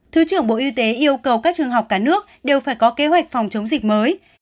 thứ trưởng bộ y tế yêu cầu các trường học cả nước đều phải có kế hoạch phòng chống dịch mới